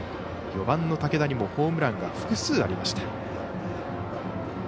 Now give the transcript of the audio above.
４番の武田にもホームランが複数ありました。